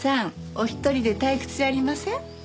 お一人で退屈じゃありません？